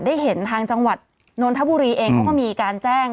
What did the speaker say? ได้เห็นทางจังหวัดนนทบุรีเองเขาก็มีการแจ้ง